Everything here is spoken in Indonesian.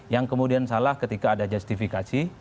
yang kemudian salah ketika ada justifikasi